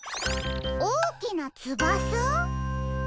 おおきなつばさ？